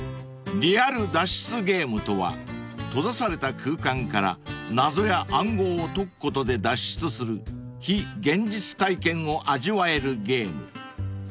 ［リアル脱出ゲームとは閉ざされた空間から謎や暗号を解くことで脱出する非現実体験を味わえるゲーム］